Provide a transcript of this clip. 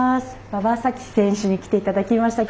馬場咲希選手に来ていただきました。